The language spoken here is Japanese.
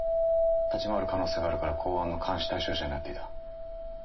立ち回る可能性があるから公安の監視対象者になっていた。